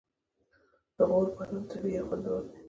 د غور بادام طبیعي او خوندور دي.